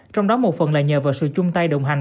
trong đó một phần là nhờ vào sự chung tay đồng hành